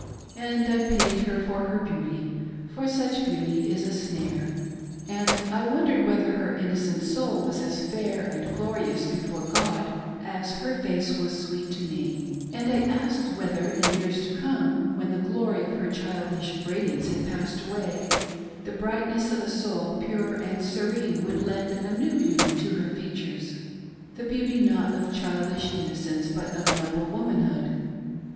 And I pitied her for her beauty, for such beauty is a snare ; and I wondered whether her innocent soul was as fair and glorious before God as her face was sweet to me ; and I asked whether, in years to come, when the glory of her child ish radiance had passed away, the brightness of a soul pure Etnd serene would lend a new beauty to her features — the beauty not of childish innocence but of a noble womanhood.